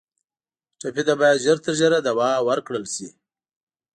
ټپي ته باید ژر تر ژره دوا ورکړل شي.